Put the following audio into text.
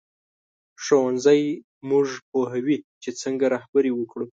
ښوونځی موږ پوهوي چې څنګه رهبري وکړو